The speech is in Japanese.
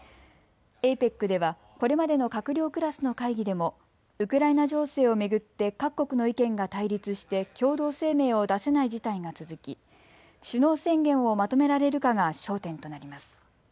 ＡＰＥＣではこれまでの閣僚クラスの会議でもウクライナ情勢を巡って各国の意見が対立して共同声明を出せない事態が続き、首脳宣言をまとめられるかが焦点となります。